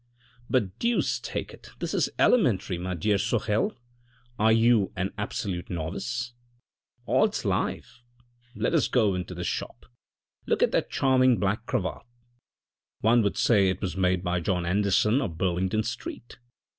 " But, deuce take it, this is elementary, my dear Sorel, are you an absolute novice ?" Oddslife ! Let us go into this shop. Look at that charming black cravat, one would say it was made by John Anderson of Burlington Street.